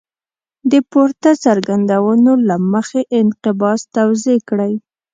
د پورته څرګندونو له مخې انقباض توضیح کړئ.